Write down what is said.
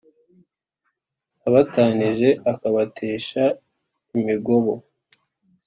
abatanije akabatesha imigobo.